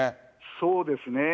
そうですね。